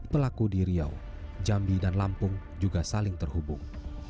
pelaku di riau jambi dan lampung juga saling terhubung